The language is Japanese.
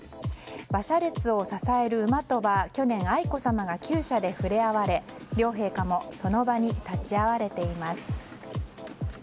馬車列を支える馬とは去年、愛子さまが厩舎で触れ合われ両陛下もその場に立ち会われています。